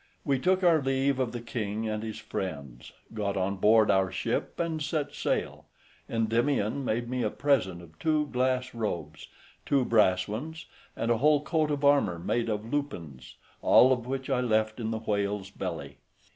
We took our leave of the king and his friends, got on board our ship, and set sail. Endymion made me a present of two glass robes, two brass ones, and a whole coat of armour made of lupines, all which I left in the whale's belly.